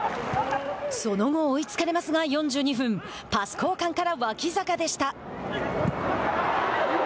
その後、追いつかれますが４２分パス交換から脇坂でした。